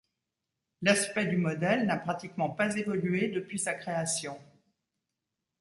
L'aspect du modèle n'a pratiquement pas évolué depuis sa création.